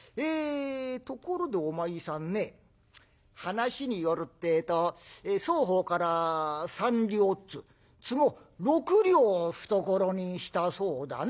ところでお前さんね話によるってえと双方から３両っつ都合６両を懐にしたそうだね」。